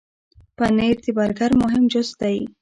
پنېر د برګر مهم جز دی.